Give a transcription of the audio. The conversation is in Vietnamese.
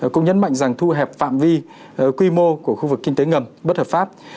cũng nhấn mạnh rằng thu hẹp phạm vi quy mô của khu vực kinh tế ngầm bất hợp pháp